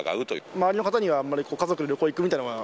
周りの方には、あんまり家族で旅行行くみたいなことは？